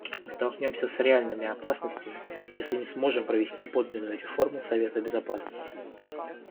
Мы столкнемся с реальными опасностями, если не сможем провести подлинную реформу Совета Безопасности.